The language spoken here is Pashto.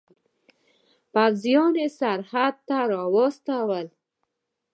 پوځیان سرحد ته واستول.